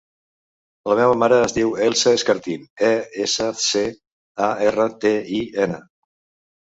La meva mare es diu Elsa Escartin: e, essa, ce, a, erra, te, i, ena.